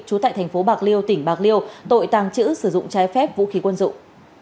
trú tại thành phố bạc liêu tỉnh bạc liêu tội tàng trữ sử dụng trái phép vũ khí quân dụng